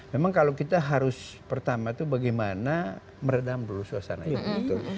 memang kalau kita harus pertama itu bagaimana meredam dulu suasana itu